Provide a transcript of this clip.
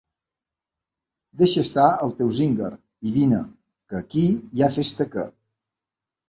Deixa estar el teu zíngar i vine, que aquí hi ha festa que.